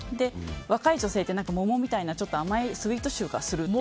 若い女性って桃のような甘いスイート臭がすると。